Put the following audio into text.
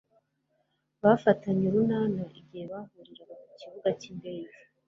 bafatanye urunana igihe bahurira ku kibuga cy'indege